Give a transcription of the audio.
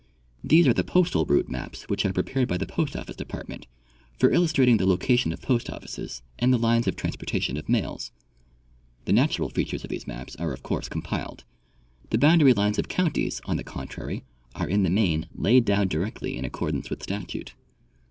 These are the postal route maps which are prepared by the Post office depart ment for illustrating the location of post offices and the lines of transportation of mails. The natural features of these maps are of course compiled. The boundary lines of counties, on the contrary, are in the main laid down directly in accordance Avith statute.